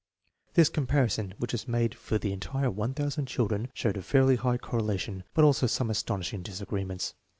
This comparison, which was made for the entire 1000 children, showed a fairly high correlation, but also some astonishing disagreements.